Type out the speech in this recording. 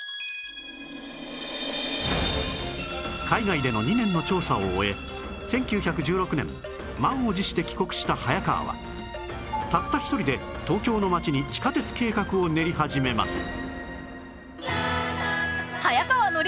海外での２年の調査を終え１９１６年満を持して帰国した早川はたった一人で東京の街に地下鉄計画を練り始めます